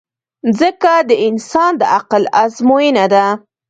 مځکه د انسان د عقل ازموینه ده.